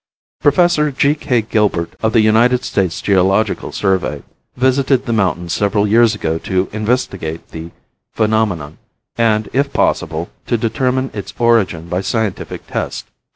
Professor G. K. Gilbert of the United States Geological Survey visited the mountain several years ago to investigate the phenomenon and, if possible, to determine its origin by scientific test.